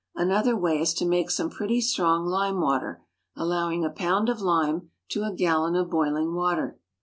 Another way is to make some pretty strong lime water, allowing a pound of lime to a gallon of boiling water.